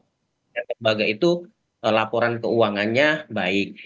kembaga itu laporan keuangannya baik